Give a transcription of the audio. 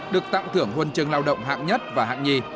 được tặng thưởng huân chương lao động hạng nhất và hạng nhì